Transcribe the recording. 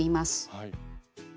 はい。